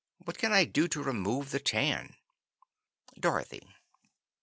What can I do to remove the tan? "Dorothy."